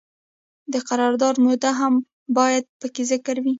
د قرارداد موده هم باید پکې ذکر وي.